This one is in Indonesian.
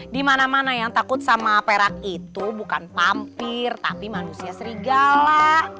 di mana mana yang takut sama perak itu bukan pampir tapi manusia serigala